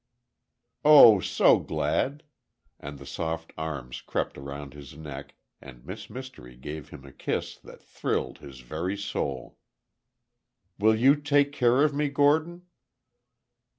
"Oh, so glad!" and the soft arms crept round his neck and Miss Mystery gave him a kiss that thrilled his very soul. "Will you take care of me, Gordon?"